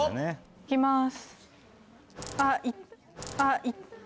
行きます。